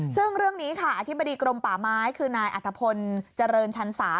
ซึ่งเรื่องนี้ค่ะอธิบดีกรมป่าไม้คือนายอัตภพลเจริญชันสา